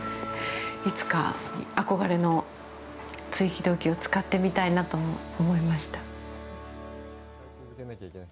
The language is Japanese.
いつか、憧れの鎚起銅器を使ってみたいなと思いました。